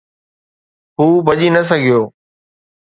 هو ڀڄي نه سگهيو.